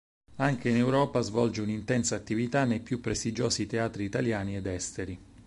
Anche in Europa svolge un'intensa attività nei più prestigiosi teatri italiani ed esteri.